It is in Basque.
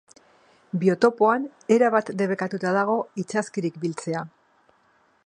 Biotopoan erabat debekatuta dago itsaskirik biltzea.